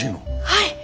はい！